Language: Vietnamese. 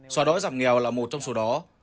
xóa đói giảm nghèo là một trong số đó